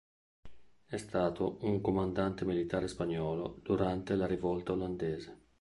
È stato un comandante militare spagnolo durante la rivolta olandese.